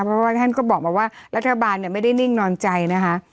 เพราะว่าท่านก็บอกมาว่ารัฐบาลไม่ได้นิ่งนอนใจนะคะ